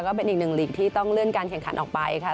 ก็เป็นอีกหนึ่งหลีกที่ต้องเลื่อนการแข่งขันออกไปค่ะ